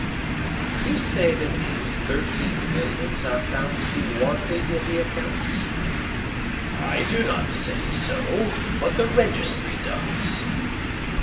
"You say that these thirteen millions are found to be wanting in the accounts?" "I do not say so, but the registry does."